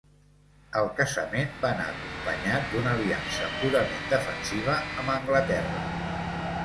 El casament va anar acompanyat d'una aliança purament defensiva amb Anglaterra.